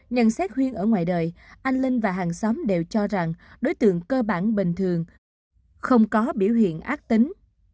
nhận xét huyên ở ngoài đời anh linh và hàng xóm đều cho rằng đối tượng cơ bản bình thường không có biểu hiện ác tính